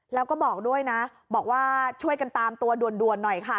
แล้วก็บอกด้วยนะบอกว่าช่วยกันตามตัวด่วนหน่อยค่ะ